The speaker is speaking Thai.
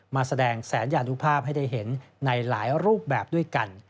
มาแสดงแสนยานุภาพให้ได้เห็นในหลายรูปแบบด้วยกัน